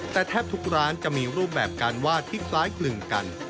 แต่แทบทุกร้านจะมีรูปแบบการวาดที่คล้ายกลึงกัน